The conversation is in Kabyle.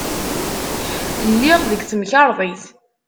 Lliɣ deg temkarḍit.